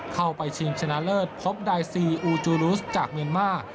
เข้าไปชิงชนะเลิศพบไดซีอูจูรุสจากเมียนมาร์